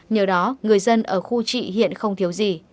nhờ đó người dân ở khu trị hiện không thiếu gì